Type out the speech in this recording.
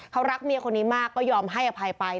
เขารักเมียคนนี้มากก็ยอมให้อภัยไป